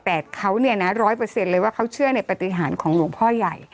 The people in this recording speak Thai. แต่เขาเนี่ยนะร้อยเปอร์เซ็นต์เลยว่าเขาเชื่อในปฏิหารของหลวงพ่อใหญ่